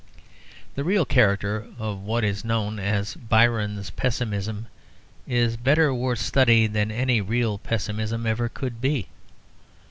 The real character of what is known as Byron's pessimism is better worth study than any real pessimism could ever be.